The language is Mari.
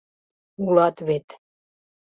— Улат вет...